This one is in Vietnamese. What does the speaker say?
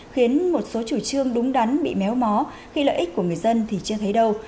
khiến một số chủ trương đúng đắn bị méo mó khi lợi ích của người dân thì chưa thấy đâu